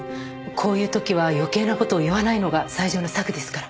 こういう時は余計な事を言わないのが最上の策ですから。